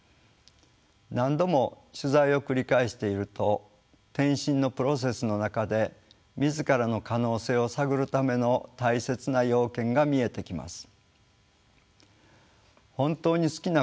何度も取材を繰り返していると転身のプロセスの中で自らの可能性を探るための大切な要件が見えてきます。